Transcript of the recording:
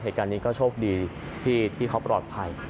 เหตุการณ์นี้ก็โชคดีที่เขาปลอดภัย